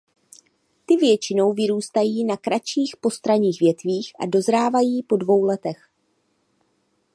Ty většinou vyrůstají na kratších postranních větvích a dozrávají po dvou letech.